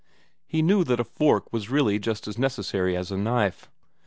He knew that a fork was really just as necessary as a knife.